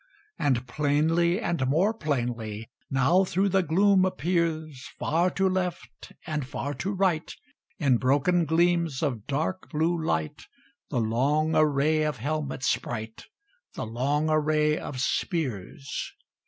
And plainly and more plainly Now through the gloom appears, Far to left and far to right, In broken gleams of dark blue light, The long array of helmets bright, The long array of spears.